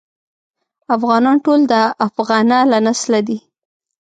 افغانان ټول د افغنه له نسله دي.